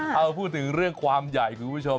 ถ้ามาพูดถึงเรื่องความใหญ่ครับคุณผู้ชม